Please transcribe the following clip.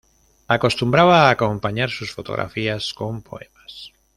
Acostumbraba a acompañar sus fotografías con poemas.